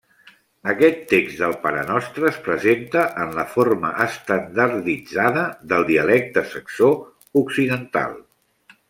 Aquest text del Pare Nostre es presenta en la forma estandarditzada del dialecte saxó occidental.